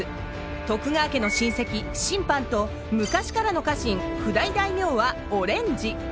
徳川家の親戚親藩と昔からの家臣譜代大名はオレンジ。